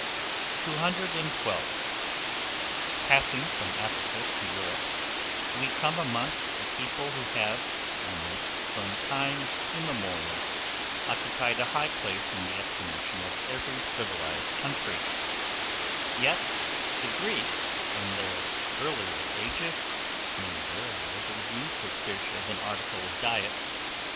212. PASSING FROM AFRICA TO EUROPE, we come amongst a people who have, almost from time immemorial, occupied a high place in the estimation of every civilized country; yet the Greeks, in their earlier ages, made very little use of fish as an article of diet.